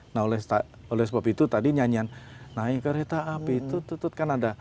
nah oleh sebab itu tadi nyanyian naik kereta api itu tutut kan ada